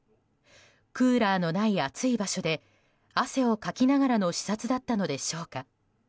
クーラーのない暑い場所で汗をかきながらの視察だったのでしょうか。